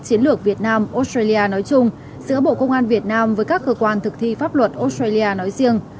chiến lược việt nam australia nói chung giữa bộ công an việt nam với các cơ quan thực thi pháp luật australia nói riêng